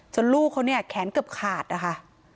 ลูกเขาเนี่ยแขนเกือบขาดนะคะ